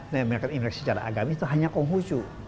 nah merayakan imlek secara agamis itu hanya kong husu